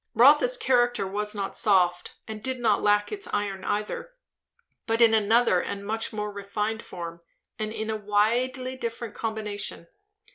Rotha's character was not soft, and did not lack its iron either; but in another and much more refined form, and in a widely different combination.